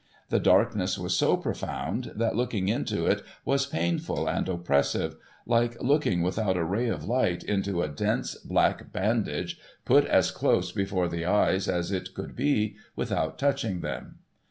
'l"he darkness was so profound, that looking into it was painful and opi)ressive — like looking, without a ray of light, into a dense black bandage put as close before the eyes as it could be, without touching them.